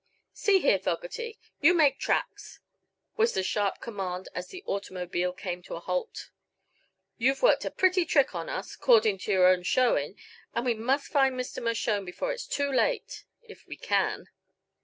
"See here, Fogerty; you make tracks!" was the sharp command, as the automobile came to a halt. "You've worked a pretty trick on us, 'cordin' to your own showin', and we must find Mr. Mershone before it's too late if we can."